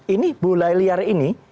ini bulai liar ini